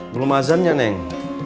belum azannya neng